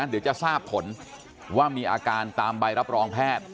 เดี๋ยวจะทราบผลว่ามีอาการตามใบรับรองแพทย์